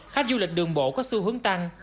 khách du lịch đường bộ có xu hướng tăng